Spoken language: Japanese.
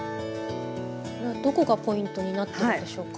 どこがポイントになってるんでしょうか？